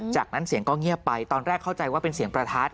จากนั้นเสียงก็เงียบไปตอนแรกเข้าใจว่าเป็นเสียงประทัด